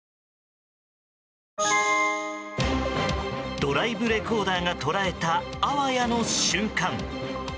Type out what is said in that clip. ドライブレコーダーが捉えたあわやの瞬間。